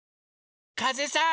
かぜさん！